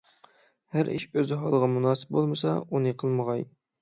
ھەر ئىش ئۆز ھالىغا مۇناسىپ بولمىسا، ئۇنى قىلمىغاي.